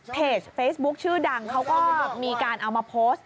เพจเฟซบุ๊คชื่อดังเขาก็มีการเอามาโพสต์